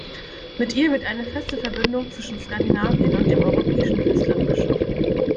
Mit ihr wird eine feste Verbindung zwischen Skandinavien und dem europäischen Festland geschaffen.